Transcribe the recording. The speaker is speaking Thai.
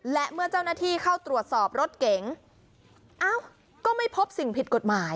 และเมื่อเจ้าหน้าที่เข้าตรวจสอบรถเก๋งเอ้าก็ไม่พบสิ่งผิดกฎหมาย